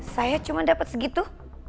saya cuma dapat segitu